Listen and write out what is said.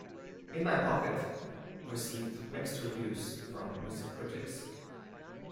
"In My Pocket" received mixed reviews from music critics.